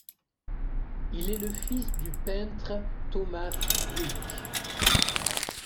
Il est le fils du peintre Thomas Wyck.